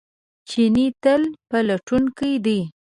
چیني تل پلټونکی دی.